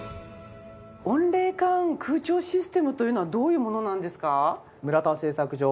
温冷感空調システムというのはどういうものなんですか？